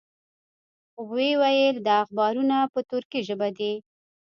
وې ویل دا اخبارونه په تُرکي ژبه دي.